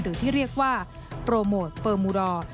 หรือที่เรียกว่าโปรโมทเปอร์มูรอ